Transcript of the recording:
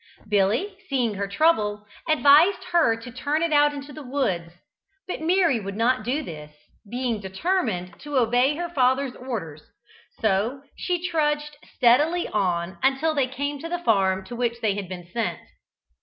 Billy, seeing her trouble, advised her to turn it out into the woods; but Mary would not do this, being determined to obey her father's orders, so she trudged steadily on until they came to the farm to which they had been sent.